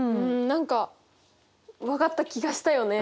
何か分かった気がしたよね